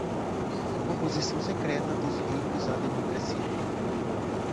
Oposição secreta dos ricos à democracia.